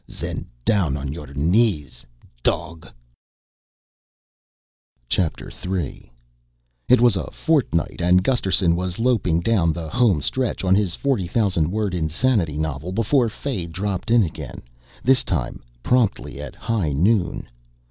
"Zen down on your knees, dog!" III It was a fortnight and Gusterson was loping down the home stretch on his 40,000 word insanity novel before Fay dropped in again, this time promptly at high noon.